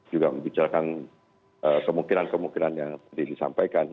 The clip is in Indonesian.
juga membicarakan kemungkinan kemungkinan yang tadi disampaikan